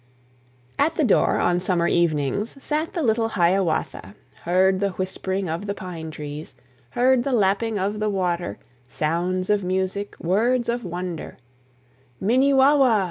At the door, on summer evenings, Sat the little Hiawatha; Heard the whispering of the pine trees, Heard the lapping of the water, Sounds of music, words of wonder; "Minnie wawa!"